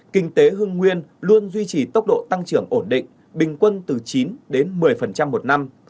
kinh tế hương nguyên luôn duy trì tốc độ tăng trưởng ổn định bình quân từ chín đến một mươi một năm